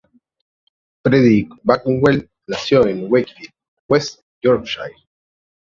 Frederick Bakewell nació en Wakefield, West Yorkshire.